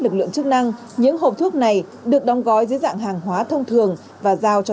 lực lượng chức năng những hộp thuốc này được đóng gói dưới dạng hàng hóa thông thường và giao cho